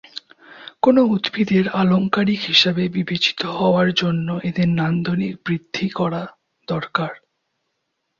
কোনো উদ্ভিদের আলংকারিক হিসাবে বিবেচিত হওয়ার জন্য এদের নান্দনিক বৃদ্ধি করা দরকার।